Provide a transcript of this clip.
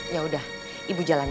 ya udah ibu jalan ya